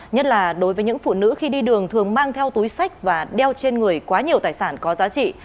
nhất là đối với những phụ nữ khi đi đường thường mang theo túi sách và đeo trên người quá nhiều tài sản có giá trị